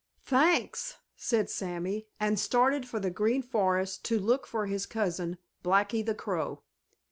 "Thanks," said Sammy, and started for the Green Forest to look for his cousin, Blacky the Crow.